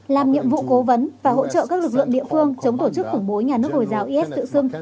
làm nhiệm vụ cố vấn và hỗ trợ các lực lượng địa phương chống tổ chức khủng bố nhà nước hồi giáo is tự xưng